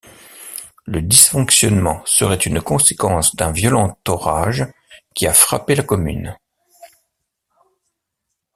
Le dysfonctionnement serait une conséquence d'un violent orage qui a frappé la commune.